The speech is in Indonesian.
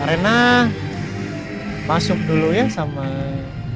rena masuk dulu ya sama kincus